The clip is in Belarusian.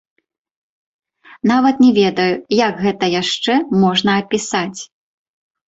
Нават не ведаю, як гэта яшчэ можна апісаць!